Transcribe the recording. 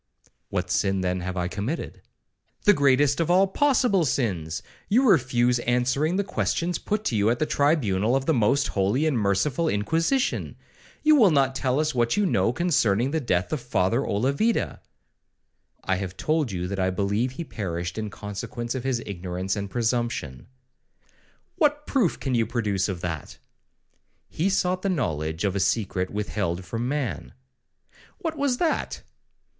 '—'What sin, then, have I committed?' 'The greatest of all possible sins; you refuse answering the questions put to you at the tribunal of the most holy and merciful Inquisition;—you will not tell us what you know concerning the death of Father Olavida.'—I have told you that I believe he perished in consequence of his ignorance and presumption.' 'What proof can you produce of that?'—'He sought the knowledge of a secret withheld from man.' 'What was that?'